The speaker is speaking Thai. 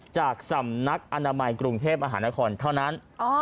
จากสำนักอนามัยกรุงเทพมหานครเท่านั้น